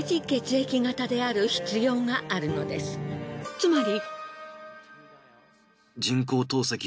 つまり。